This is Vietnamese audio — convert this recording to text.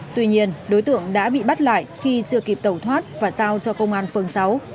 tuy nhiên đối tượng đã bị bắt lại khi chưa kịp tẩu thoát và giao cho công an phường sáu